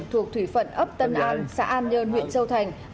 thuộc thủy phận ấp tân an xã an nhơn huyện châu thành